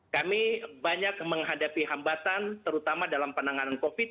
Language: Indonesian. kami banyak menghadapi hambatan terutama dalam penanganan covid